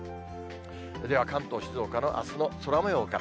では、関東、静岡のあすの空もようから。